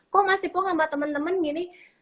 kok mas hipong sama teman teman gini